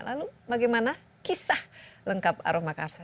lalu bagaimana kisah lengkap aroma karsa